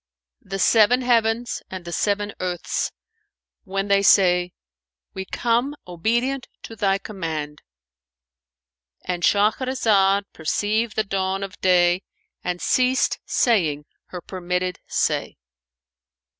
"The seven heavens and the seven earths, when they say, 'We come obedient to Thy command.'"[FN#445]—And Shahrazad perceived the dawn of day and ceased saying her permitted say.